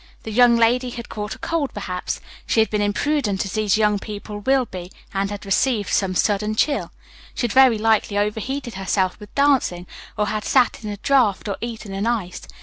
The young lady had caught a cold, perhaps; she had been imprudent, as these young people will be, and had received some sudden chill. She had very likely overheated herself with dancing, or had sat in a draught, or eaten an ice.